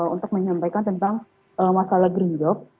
untuk menyampaikan tentang masalah green job